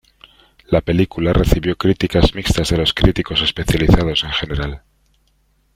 La película recibió críticas mixtas de los críticos especializados en general.